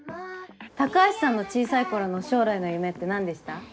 高橋さんの小さい頃の将来の夢って何でした？